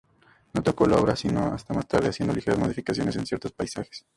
No tocó la obra sino hasta más tarde, haciendo ligeras modificaciones en ciertos pasajes.